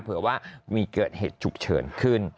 เผื่อว่ามีเกิดเหตุฉุกเฉินขึ้น